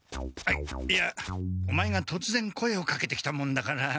いいやオマエがとつぜん声をかけてきたもんだから。